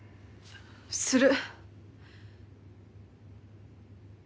する。